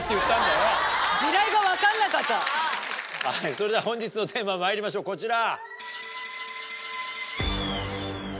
それでは本日のテーマまいりましょうこちら。